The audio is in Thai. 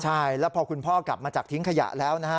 ใช่แล้วพอคุณพ่อกลับมาจากทิ้งขยะแล้วนะฮะ